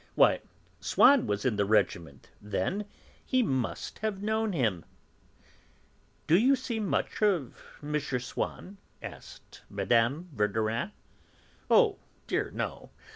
Why, Swann was in the regiment then; he must have known him." "Do you see much of M. Swann?" asked Mme. Verdurin. "Oh dear, no!"